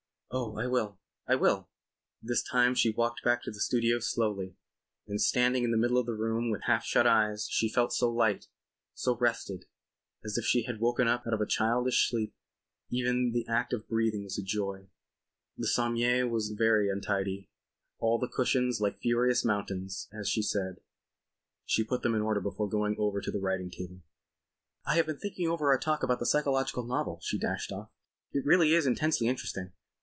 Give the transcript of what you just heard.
"Oh, I will. I will." This time she walked back to the studio slowly, and standing in the middle of the room with half shut eyes she felt so light, so rested, as if she had woken up out of a childish sleep. Even the act of breathing was a joy. ... The sommier was very untidy. All the cushions "like furious mountains" as she said; she put them in order before going over to the writing table. "I have been thinking over our talk about the psychological novel," she dashed off, "it really is intensely interesting."